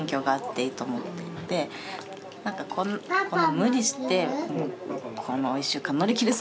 無理してこの１週間乗り切るぞ！